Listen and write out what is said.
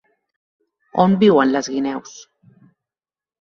On viuen les guineus?